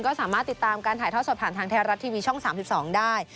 ก็สามารถติดตามการถ่ายทอดสดผ่านทางไทยรัฐทีวีช่อง๓๒ได้